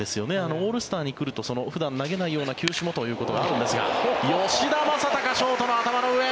オールスターに来ると普段、投げないような球種もということがあるんですが吉田正尚、ショートの頭の上。